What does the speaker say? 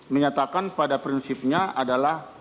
menyatakan pada prinsipnya adalah